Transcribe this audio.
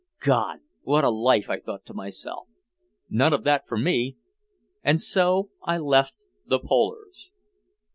God, what a life, I thought to myself! None of that for me! And so I left the "polers."